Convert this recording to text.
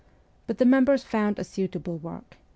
But the members found a suitable work.